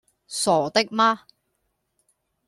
傻的嗎?